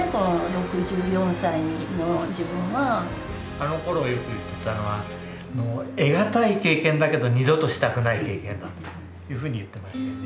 あのころよく言ってたのは得難い経験だけど二度としたくない経験だというふうに言ってましたよね。